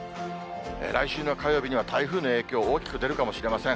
来週の火曜日には台風の影響、大きく出るかもしれません。